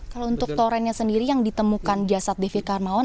kalau untuk torennya sendiri yang ditemukan jasad devi karmawan